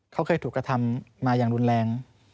เขาเคยถูกกระทำมาอย่างรุนแรง